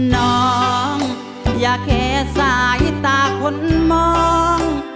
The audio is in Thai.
น้องอย่าแค่สายตาคนมอง